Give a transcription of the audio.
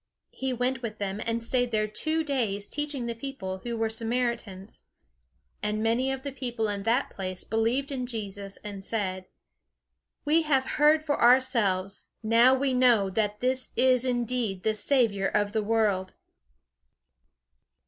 He went with them, and stayed there two days, teaching the people, who were Samaritans. And many of the people in that place believed in Jesus, and said: "We have heard for ourselves; now we know that this is indeed the Saviour of the world."